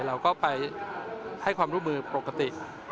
เราก็ไปให้ความร่วมมือปกติ